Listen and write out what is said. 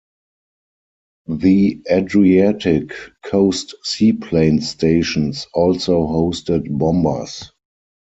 The Adriatic Coast seaplane stations also hosted bombers.